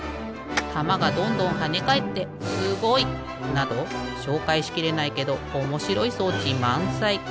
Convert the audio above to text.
たまがどんどんはねかえってすごい！などしょうかいしきれないけどおもしろい装置まんさい！